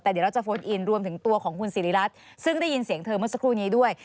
แต่เดี๋ยวเราจะโฟนอินรวมถึงตัวของคุณสิริรัตน์ซึ่งได้ยินเสียงเธอเมื่อสักครู่นี้ด้วย